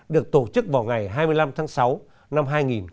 được tổ chức vào ngày hai mươi năm tháng sáu năm hai nghìn một mươi chín